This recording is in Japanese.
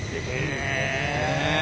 へえ。